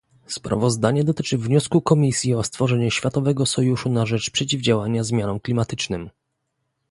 Sprawozdanie dotyczy wniosku Komisji o stworzenie światowego sojuszu na rzecz przeciwdziałania zmianom klimatycznym